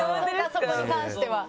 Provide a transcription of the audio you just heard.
そこに関しては。